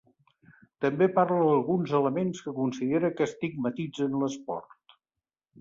També parla d’alguns elements que considera que estigmatitzen l’esport.